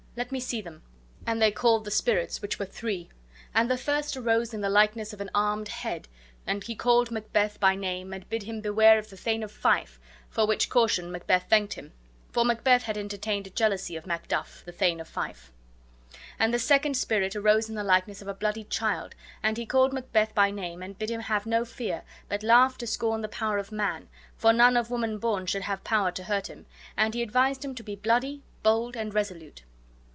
Let me see them." And they called the spirits, which were three. And the first arose in the likeness of an armed head, and he called Macbeth by name and bid him beware of the Thane of Fife; for which caution Macbeth thanked him; for Macbeth had entertained a jealousy of Macduff, the Thane of Fife. And the second spirit arose in the likeness of a bloody child, and he called Macbeth by name and bid him have no fear, but laugh to scorn the power of man, for none of woman born should have power to hurt him; and he advised him to be bloody, bold, and resolute.